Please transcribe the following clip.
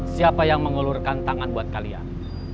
siapa yang mengelurkan tangan buat kalian